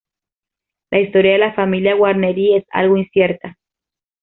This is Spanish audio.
La historia de la familia Guarneri es algo incierta.